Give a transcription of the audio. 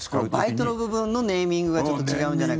バイトの部分のネーミングがちょっと違うんじゃないかと。